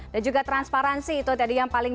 dan juga transparansi itu tadi yang paling